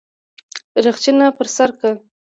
رخچينه پر سر که.